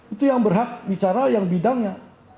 itu yang berhak bicara yang bidangnya